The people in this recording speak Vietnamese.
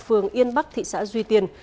phường yên bắc thị xã duy tiên